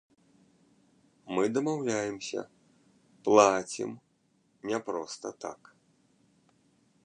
Мы дамаўляемся, плацім, не проста так.